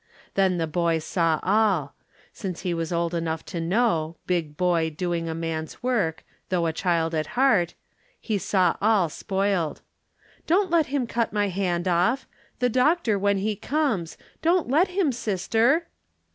Then the boy saw all Since he was old enough to know, big boy Doing a man's work, though a child at heart He saw all spoiled. "Don't let him cut my hand off The doctor, when he comes. Don't let him, sister!"